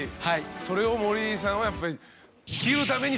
それを森さんはやっぱり。